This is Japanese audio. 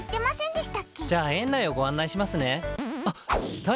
じゃあ園内をご案内しますね。